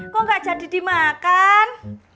kok gak jadi dimakan